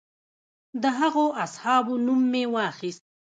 د هغو اصحابو نوم مې واخیست.